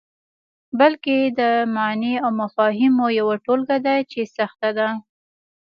بلکې د معني او مفاهیمو یوه ټولګه ده چې سخته ده.